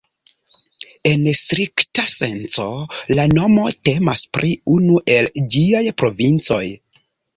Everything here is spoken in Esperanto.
En strikta senco, la nomo temas pri unu el ĝiaj provincoj.